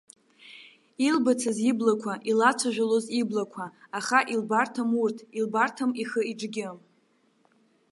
Илбацыз иблақәа, илацәажәалоз иблақәа, аха илбарҭам урҭ, илбарҭам ихы-иҿгьы.